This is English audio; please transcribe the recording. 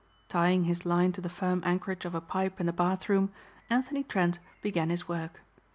Tying his line to the firm anchorage of a pipe in the bath room Anthony Trent began his work.